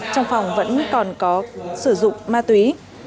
trong phòng vẫn còn có sử dụng ma túy